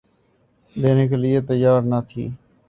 دینے کے لئے تیّار نہ تھی۔